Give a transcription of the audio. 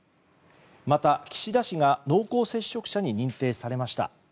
また、岸田氏が濃厚接触者に認定されました。